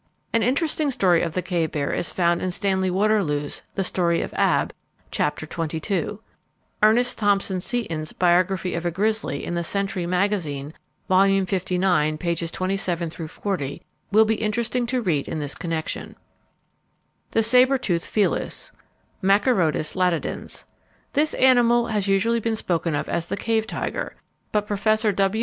An interesting story of the cave bear is found in Stanley Waterloo's The Story of Ab, Chapter XXII. Ernest Thompson Seton's "Biography of a Grizzly," in The Century Magazine, Vol. LIX., pp. 27 40, will be interesting to read in this connection. The Sabre toothed Felis (Machairodus latidens). This animal has usually been spoken of as the cave tiger, but Professor W.